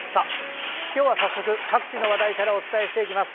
今日は早速各地の話題からお伝えしていきます。